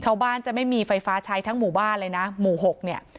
ชาวบ้านจะไม่มีไฟฟ้าใช้ทั้งหมู่บ้านเลยนะหมู่หกเนี่ย